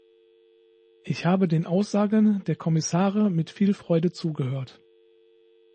Ich habe den Aussagen der Kommissare mit viel Freude zugehört.